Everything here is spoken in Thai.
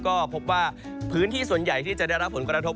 ก็พบว่าพื้นที่ส่วนใหญ่ที่จะได้รับผลกระทบ